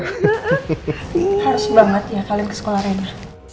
ini harus banget ya kalian ke sekolah rena